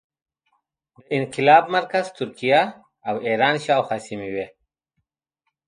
د انقلاب مرکز ترکیه او ایران شاوخوا سیمې وې.